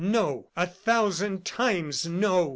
"No, a thousand times no!"